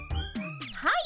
はい。